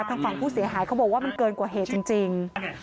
ทางฝั่งผู้เสียหายเขาบอกว่ามันเกินกว่าเหตุจริง